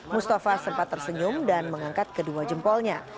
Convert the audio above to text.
mustafa sempat tersenyum dan mengangkat kedua jempolnya